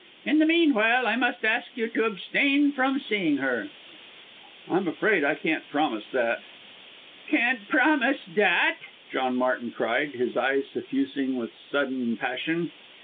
In the meanwhile, I must ask you to abstain from seeing her." "I am afraid I can't promise that." "Can't promise that," John Martin cried, his eyes suffusing with sudden passion.